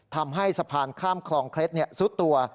ทำให้สะพานข้ามคลองเคล็ดซุดตัว